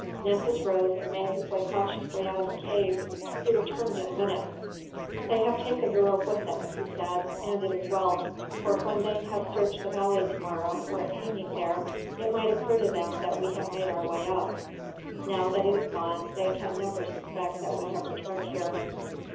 Nessus rose and made his way cautiously out of the cave. He returned in a minute. "They have taken the rope with them," he said, "and it is well, for when they have searched the valley tomorrow, were it hanging there, it might occur to them that we have made our way up. Now that it is gone they can never suspect that we have returned here."